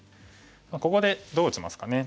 ここでどう打ちますかね。